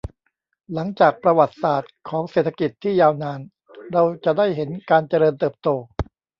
หลังจากประวัติศาสตร์ของเศรษฐกิจที่ยาวนาน เราจะได้เห็นการเจริญเติบโต